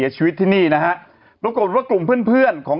เช่น